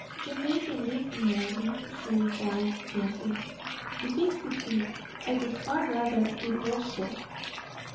"You may believe me, Earle," she replied, gently; "if it could be, I would far rather it were so."